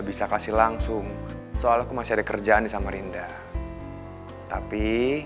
bisa kasih langsung soal aku masih ada kerjaan di samarinda tapi